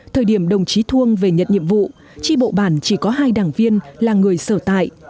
thời điểm đồng chí thuông về nhận nhiệm vụ tri bộ bản chỉ có hai đảng viên là người sở tại